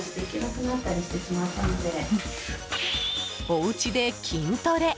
おうちで筋トレ！